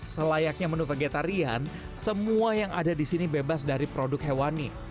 selayaknya menu vegetarian semua yang ada di sini bebas dari produk hewani